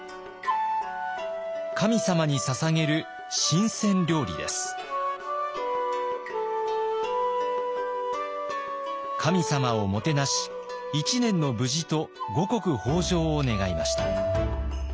神様にささげる神様をもてなし一年の無事と五穀豊穣を願いました。